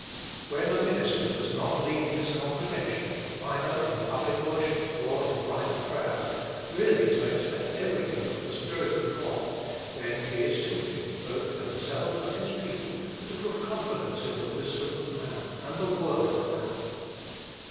When a minister does not lead his congrega tion, either in public worship or in private prayer, really to expect everything from the Spirit of God, then he is tempted, both for himself and his people, to put confidence in the wisdom of man and the work of man.